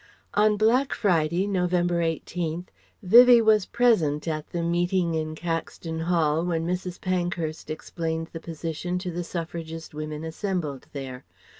On Black Friday, November 18th, Vivie was present at the meeting in Caxton Hall when Mrs. Pankhurst explained the position to the Suffragist women assembled there.